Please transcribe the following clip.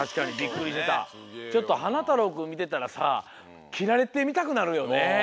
ちょっとはなたろうくんみてたらさきられてみたくなるよね。